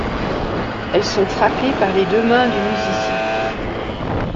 Elles sont frappées par les deux mains du musicien.